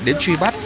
đến truy bắt